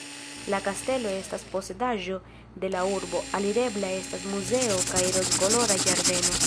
La kastelo estas posedaĵo de la urbo, alirebla estas muzeo kaj Rozkolora ĝardeno.